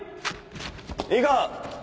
いいか。